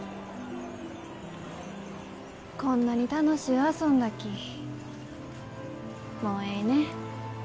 こんなに楽しゅう遊んだきもうえいね。